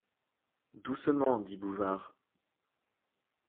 Doucement ! dit Bouvard.